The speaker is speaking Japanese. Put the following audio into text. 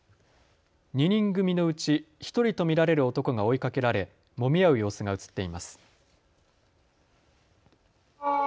２人組のうち１人と見られる男が追いかけられもみ合う様子が映っています。